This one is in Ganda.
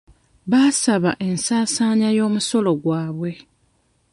Baasaaba ensaasaanya y'omusolo gwabwe.